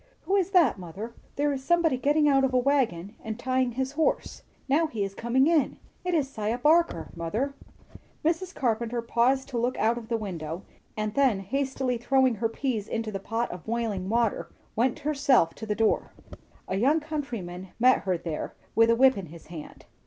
"Who is that, mother? There is somebody getting out of a wagon and tying his horse; now he is coming in. It is 'Siah Barker, mother." Mrs. Carpenter paused to look out of the window, and then hastily throwing her peas into the pot of boiling water, went herself to the door. A young countryman met her there, with a whip in his hand.